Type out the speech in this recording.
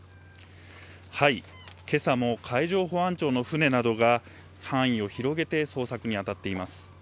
けさも海上保安庁の船などが、範囲を広げて捜索に当たっています。